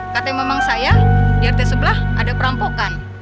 katanya memang saya di rt sebelah ada perampokan